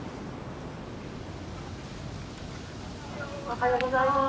おはようございます。